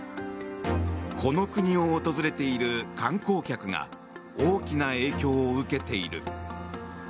この国を訪れている観光客が大きな影響を受けている。